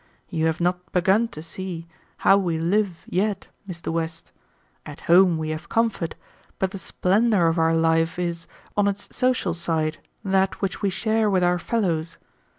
You have not begun to see how we live yet, Mr. West. At home we have comfort, but the splendor of our life is, on its social side, that which we share with our fellows.